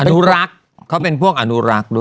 อนุรักษ์เขาเป็นพวกอนุรักษ์ด้วย